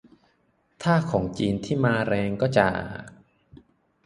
ถ้าของจีนที่มาแรงก็ จาก